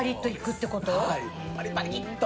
はいパリパリッと。